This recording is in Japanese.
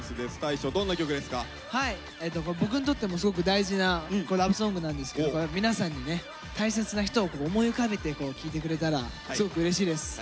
僕にとってもすごく大事なラブソングなんですけど皆さんにね大切な人を思い浮かべて聴いてくれたらすごくうれしいです。